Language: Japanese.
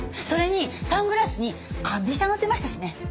それにサングラスにアメ車乗ってましたしね。